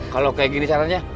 kalau kayak gini caranya